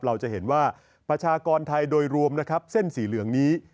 เราจะเห็นว่าประชากรไทยโดยรวมนะครับเส้นสีเหลืองนี้